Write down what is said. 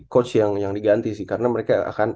coach yang diganti sih karena mereka akan